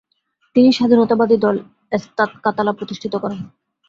তিনি স্বাধীনতাবাদী দল এস্তাত কাতালা প্রতিষ্ঠিত করেন।